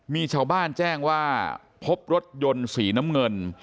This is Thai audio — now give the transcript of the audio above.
มีชาวบ้านแจ้งว่าพบรถยนต์สีน้ำเงิน